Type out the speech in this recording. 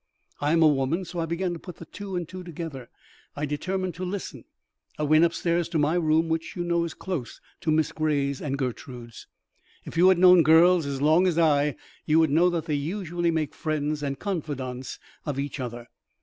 I am a woman, so I began to put two and two together. I determined to listen. I went up stairs to my room, which, you know, is close to Miss Gray's and Gertrude's. If you had known girls as long as I, you would know that they usually make friends and confidantes of each other.